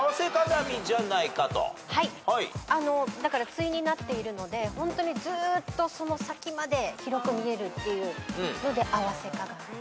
対になっているのでホントにずっとその先まで広く見えるっていうので合わせ鏡。にしてあるんじゃないか。